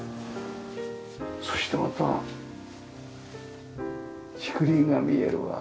そしてまた竹林が見えるわ。